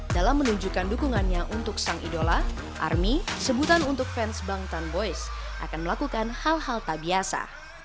dalam menunjukkan dukungannya untuk sang idola army sebutan untuk fans bangtan boys akan melakukan hal hal tak biasa